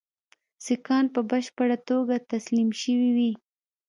سیکهان په بشپړه توګه تسلیم شوي وي.